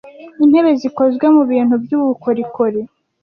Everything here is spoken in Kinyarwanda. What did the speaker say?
Intebe zikozwe mubintu byubukorikori.